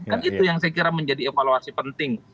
kan itu yang saya kira menjadi evaluasi penting